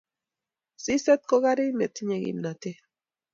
siset ko karik netinyei kimnatet